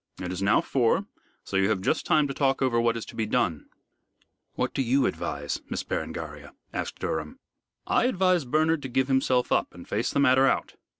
It is now four, so you have just time to talk over what is to be done." "What do you advise, Miss Berengaria?" asked Durham. "I advise Bernard to give himself up, and face the matter out."